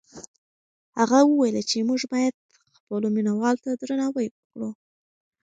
هغه وویل چې موږ باید خپلو مینه والو ته درناوی وکړو.